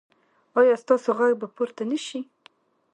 ایا ستاسو غږ به پورته نه شي؟